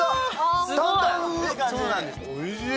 おいしい！